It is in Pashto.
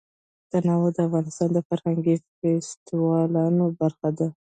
تنوع د افغانستان د فرهنګي فستیوالونو برخه ده.